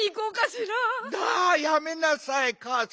だやめなさいかあさん！